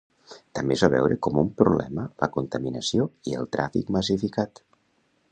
També es va veure com un problema la contaminació i el tràfic massificat.